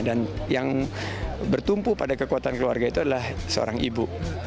dan yang bertumpu pada kekuatan keluarga itu adalah seorang ibu